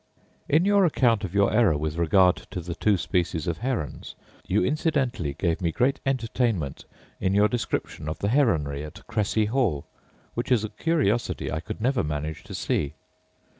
In your account of your error with regard to the two species of herons, you incidentally gave me great entertainment in your description of the heronry at Cressi hall; which is a curiosity I could never manage to see.